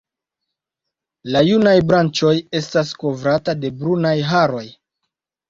La junaj branĉoj estas kovrata de brunaj haroj.